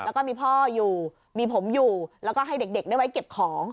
แล้วก็มีพ่ออยู่มีผมอยู่แล้วก็ให้เด็กได้ไว้เก็บของ